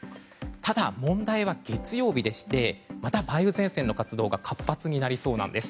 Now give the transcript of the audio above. ただ、問題は月曜日でしてまた梅雨前線の活動が活発になりそうなんです。